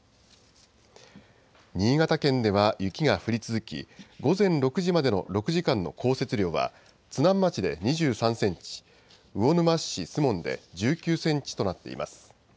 新潟県では雪が降り続き、午前６時までの６時間の降雪量は、津南町で２３センチ、魚沼市守門で１９センチとなっています。